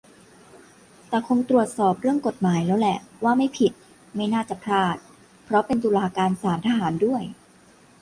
แต่คงตรวจสอบเรื่องกฎหมายแล้วแหละว่าไม่ผิด ไม่น่าจะพลาด เพราะเป็นตุลาการศาลทหารด้วย